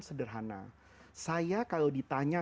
sederhana saya kalau ditanya